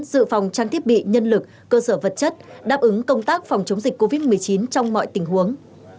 dự phòng trang thiết bị nhân lực cơ sở vật chất đáp ứng công tác phòng chống dịch covid một mươi chín trong mọi tình huống